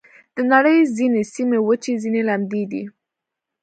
د نړۍ ځینې سیمې وچې، ځینې لمدې دي.